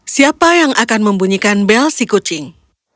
siapa yang akan membunyikan bel si kucing